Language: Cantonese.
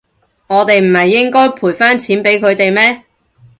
我哋唔係應該賠返錢畀佢哋咩？